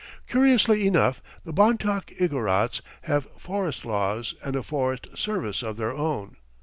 Curiously enough, the Bontoc Igorots have forest laws and a forest service of their own.